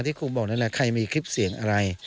ที่ครูบอกนั่นแหละใครมีคลิปเสียงอะไร